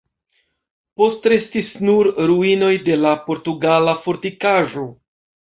Postrestis nur ruinoj de la portugala fortikaĵo.